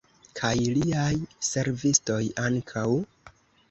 Kaj liaj servistoj ankaŭ?